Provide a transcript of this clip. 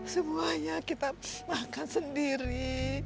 semuanya kita makan sendiri